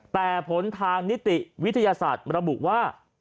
แต่ผลทางนิติวิทยาศาสตร์ระบุว่า